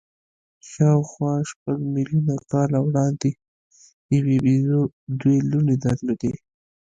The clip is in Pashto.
شاوخوا شپږ میلیونه کاله وړاندې یوې بیزو دوې لوڼې درلودې.